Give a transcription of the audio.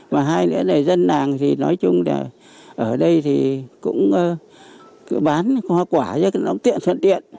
mà hai đứa này dân nàng thì nói chung là ở đây thì cũng cứ bán hoa quả cho nó tiện thuận tiện